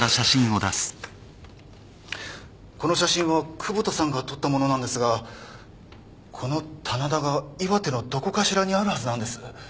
この写真は窪田さんが撮ったものなんですがこの棚田が岩手のどこかしらにあるはずなんです。